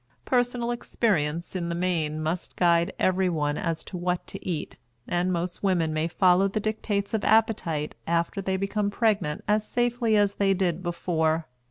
Personal experience in the main must guide everyone as to what to eat, and most women may follow the dictates of appetite after they become pregnant as safely as they did before.